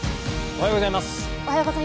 おはようございます。